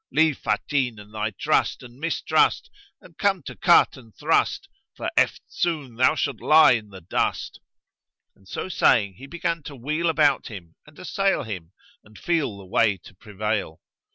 Leave Fatin and thy trust and mistrust, and come to cut and thrust, for eftsoon thou shalt lie in the dust;" and so saying, he began to wheel about him and assail him and feel the way to prevail.